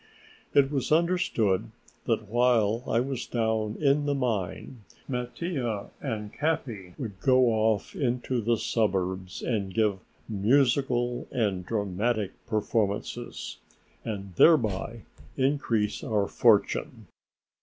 It was understood that while I was down in the mine Mattia and Capi were to go off into the suburbs and give "musical and dramatic performances" and thereby increase our fortune.